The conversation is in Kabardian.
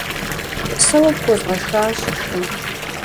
Сэ уэ пхуэзгъэшхащ шы.